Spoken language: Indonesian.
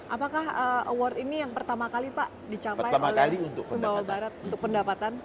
apakah award ini yang pertama kali pak dicapai oleh sumbawa barat untuk pendapatan